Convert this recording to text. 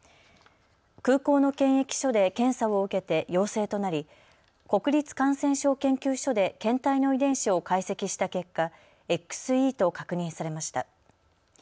空港の検疫所で検査を受けて陽性となり国立感染症研究所で検体の遺伝子を解析した結果、ＸＥと確認されました。